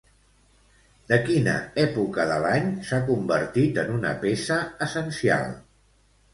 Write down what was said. De quina època de l'any s'ha convertit en una peça essencial?